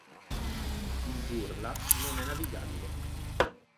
Il Burla non è navigabile.